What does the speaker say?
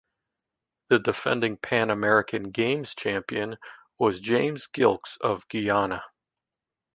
The defending Pan American Games champion was James Gilkes of Guyana.